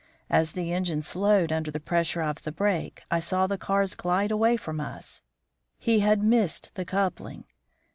As the engine slowed under the pressure of the brake, I saw the cars glide away from us. He had missed the coupling.